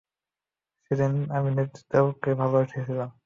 সেদিনই আমি নেতৃত্বকে ভালবেসেছিলাম।